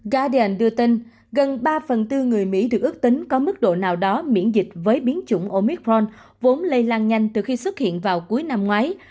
garden đưa tin gần ba phần tư người mỹ được ước tính có mức độ nào đó miễn dịch với biến chủng omitron vốn lây lan nhanh từ khi xuất hiện vào cuối năm ngoái